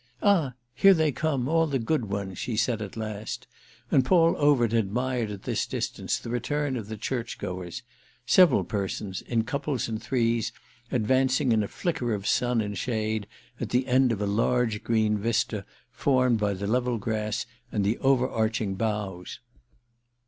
"Ah here they come—all the good ones!" she said at last; and Paul Overt admired at his distance the return of the church goers—several persons, in couples and threes, advancing in a flicker of sun and shade at the end of a large green vista formed by the level grass and the overarching boughs.